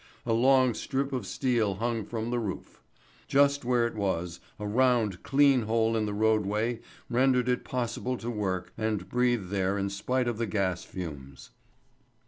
A long strip of steel hung from the roof. Just where it was, a round, clean hole in the roadway rendered it possible to work and breathe there in spite of the gas fumes.